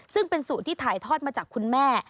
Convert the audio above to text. ซึ่งเป็นสูตรที่ถ่ายทอดมาจากคุณแม่